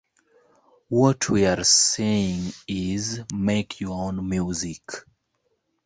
What we're saying is make your own music.